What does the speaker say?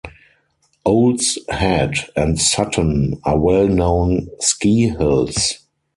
Owl's Head and Sutton are well-known ski hills.